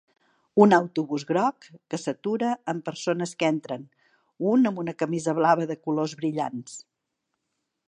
Un autobús groc que s'atura amb persones que entren, un amb una camisa blava de colors brillants.